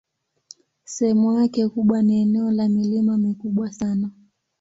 Sehemu yake kubwa ni eneo la milima mikubwa sana.